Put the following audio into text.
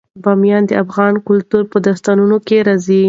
بامیان د افغان کلتور په داستانونو کې راځي.